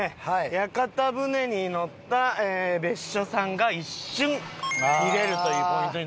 屋形船に乗った別所さんが一瞬見れるというポイントになっております。